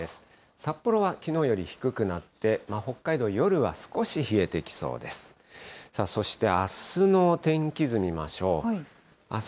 札幌はきのうより低くなって、北海道、夜は少し冷えてきそうです。